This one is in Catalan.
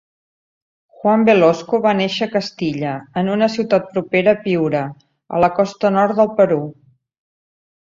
Juan Velasco va néixer a Castilla, en una ciutat propera a Piura, a la costa nord del Perú.